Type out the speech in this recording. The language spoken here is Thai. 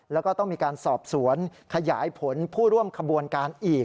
แล้วก็ต้องมีการสอบสวนขยายผลผู้ร่วมขบวนการอีก